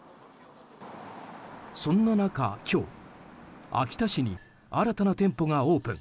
そんな中、今日、秋田市に新たな店舗がオープン。